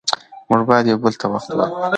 موږ باید یو بل ته وخت ورکړو